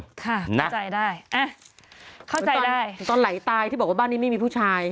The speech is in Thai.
เข้าใจได้อ่ะเข้าใจได้ตอนไหลตายที่บอกว่าบ้านนี้ไม่มีผู้ชาย